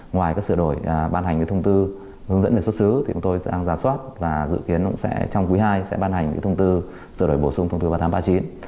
ngoài các sửa đổi bàn hành thông tư hướng dẫn về xuất xứ chúng tôi sẽ giả soát và dự kiến trong quý hai sẽ bàn hành thông tư sửa đổi bổ sung thông tư vào tháng ba chín